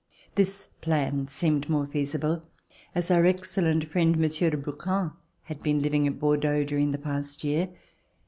This plan seemed the more feasible, as our excellent friend. Monsieur de Brouquens, had been living at Bordeaux during the past year.